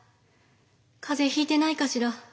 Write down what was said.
風邪ひいてないかしら。